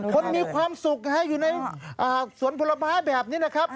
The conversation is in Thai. คนมีความสุขนะฮะอยู่ในสวนผลไม้แบบนี้นะครับ